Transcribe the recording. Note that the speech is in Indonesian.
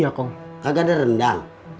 sekarang mamo udah ga kerja di tempat normal lagi